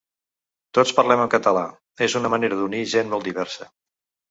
Tots parlem en català, és una manera d’unir gent molt diversa.